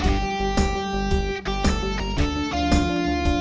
wang quan di disi